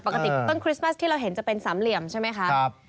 ปกติต้นคริสต์มัสที่เราเห็นจะเป็นสามเหลี่ยมใช่ไหมคะ